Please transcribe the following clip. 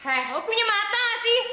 eh lu punya mata gak sih